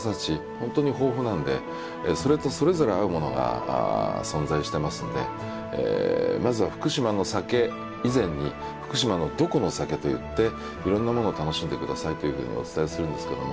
本当に豊富なんでそれとそれぞれ合うものが存在してますんでまずは福島の酒以前に福島のどこの酒といっていろんなものを楽しんでくださいというふうにお伝えするんですけども。